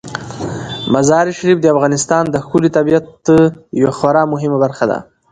مزارشریف د افغانستان د ښکلي طبیعت یوه خورا مهمه برخه ده.